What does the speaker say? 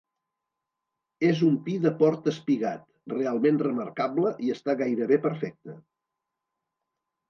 És un pi de port espigat, realment remarcable i està gairebé perfecte.